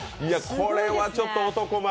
これはちょっと男前。